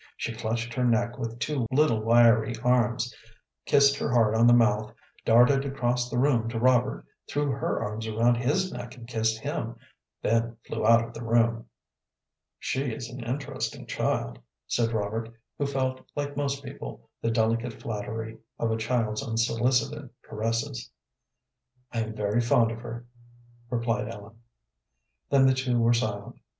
She clutched her neck with two little wiry arms, kissed her hard on the mouth, darted across the room to Robert, threw her arms around his neck and kissed him, then flew out of the room. "She is an interesting child," said Robert, who felt, like most people, the delicate flattery of a child's unsolicited caresses. "I am very fond of her," replied Ellen. Then the two were silent.